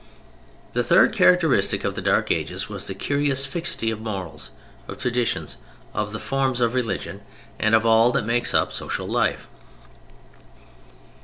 The third characteristic of the Dark Ages was the curious fixity of morals, of traditions, of the forms of religion, and of all that makes up social life.